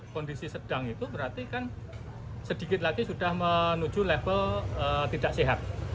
kondisi sedang itu berarti kan sedikit lagi sudah menuju level tidak sehat